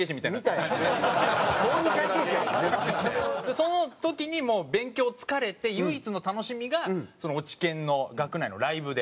その時にもう勉強疲れて唯一の楽しみが落研の学内のライブで。